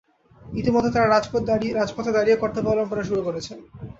ইতিমধ্যে তাঁরা রাজপথে দাঁড়িয়ে কর্তব্য পালন করা শুরু করেছেন।